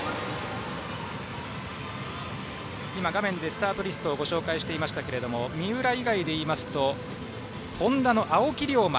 画面でスタートリストを紹介していましたが三浦以外でいいますとＨｏｎｄａの青木涼真